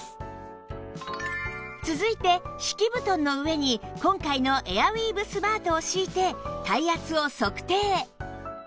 続いて敷布団の上に今回のエアウィーヴスマートを敷いて体圧を測定